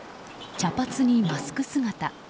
茶髪にマスク姿。